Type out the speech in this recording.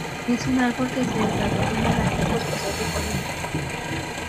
Es un árbol que se desarrolla en las laderas boscosas de colinas.